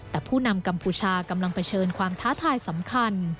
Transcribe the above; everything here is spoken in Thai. แต่ผู้นำกัมพูชากำลังเผชิญความท้าทายสำคัญ